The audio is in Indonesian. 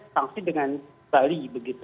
tanggung dengan bali